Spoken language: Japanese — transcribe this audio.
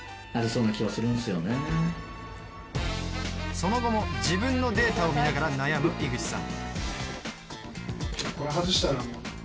その後も自分のデータを見ながら悩む井口さん。